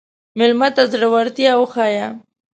مېلمه ته زړورتیا وښیه.